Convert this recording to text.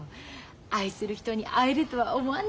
愛する人に会えるとは思わないでだもん。